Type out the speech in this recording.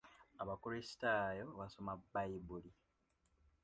Abakrisitaayo basoma bbayibuli.